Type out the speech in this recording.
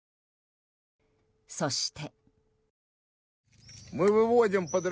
そして。